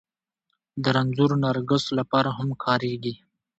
د رنځور نرګس لپاره هم کارېږي